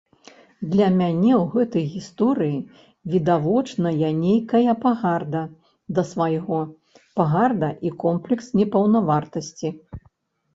Для мяне ў гэтай гісторыі відавочная нейкая пагарда да свайго, пагарда і комплекс непаўнавартаснасці.